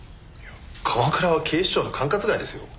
鎌倉は警視庁の管轄外ですよ。